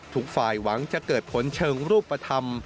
ทุกฝ่ายหวังจะเกิดผลเชิงรูปธรรม